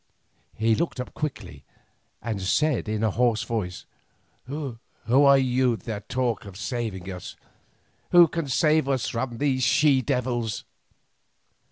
He looked up quickly, and said in a hoarse voice: "Who are you that talk of saving us? Who can save us from these she devils?"